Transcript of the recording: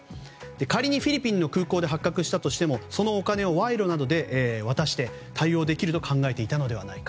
仮にフィリピンの空港で発覚したとしてもそのお金を賄賂などで渡して対応できると考えていたのではないか。